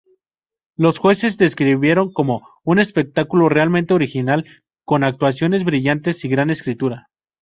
Los jueces describieron como "un espectáculo realmente original con actuaciones brillantes y gran escritura".